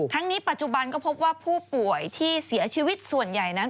ทั้งนี้ปัจจุบันก็พบว่าผู้ป่วยที่เสียชีวิตส่วนใหญ่นั้น